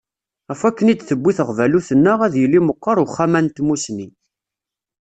Ɣef wakken i d-tewwi teɣbalut-nneɣ, ad yili meqqer Uxxam-a n Tmussni.